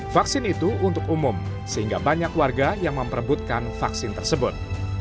vaksin itu untuk umum sehingga banyak warga yang memperebutkan vaksin tersebut